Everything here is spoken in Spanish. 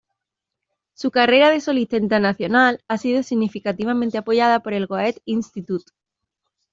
Su carrera de solista internacional ha sido significativamente apoyada por el Goethe-Institut.